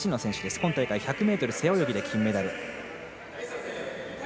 今大会１００ｍ背泳ぎで金メダル。